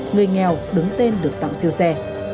người nghèo đứng tên được tặng siêu xe